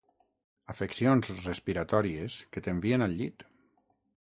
Afeccions respiratòries que t'envien al llit.